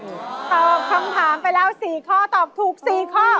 ตอบคำถามไปแล้ว๔ข้อตอบถูก๔ข้อ